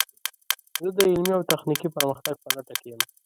زه د علمي او تخنیکي پرمختګ په لټه کې یم.